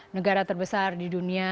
negara terbesar di dunia